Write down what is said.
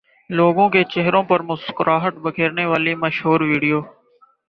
لوگوں کے چہروں پر مسکراہٹ بکھیرنے والی مشہور ویڈیو